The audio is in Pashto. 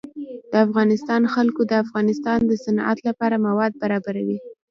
د افغانستان جلکو د افغانستان د صنعت لپاره مواد برابروي.